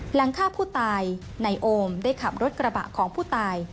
หลังฆ่าผู้ตายนายโอมได้ขับรถกระบะของผู้ตาย